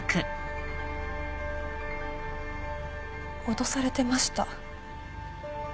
脅されてました。